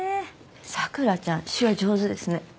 桜ちゃん手話上手ですね。